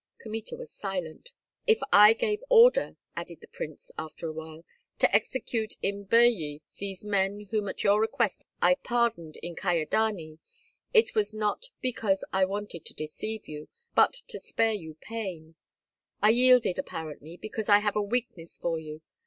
Kmita was silent. "If I gave order," added the prince, after a while, "to execute in Birji these men whom at your request I pardoned in Kyedani, it was not because I wanted to deceive you, but to spare you pain. I yielded apparently, because I have a weakness for you.